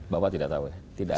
bapak tidak tahu ya